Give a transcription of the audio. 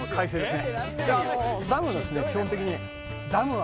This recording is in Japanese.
ダムは基本的に。